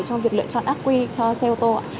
trong việc lựa chọn ác quy cho xe ô tô ạ